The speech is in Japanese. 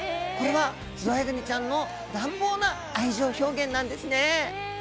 これはズワイガニちゃんの乱暴な愛情表現なんですね。